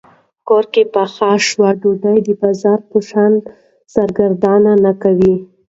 کور کې پخه شوې ډوډۍ د بازار په شان سرګردان نه کوي.